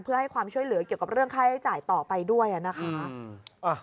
เพื่อให้ความช่วยเหลือเกี่ยวกับเรื่องค่าให้จ่ายต่อไปด้วยนะคะ